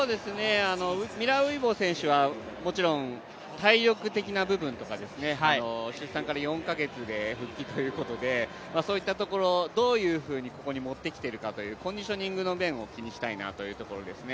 ミラーウイボ選手はもちろん体力的な部分とか出産から４か月で復帰ということでそういったところをどういうふうにもってきているかというコンディショニングの面を気にしたいというところですね。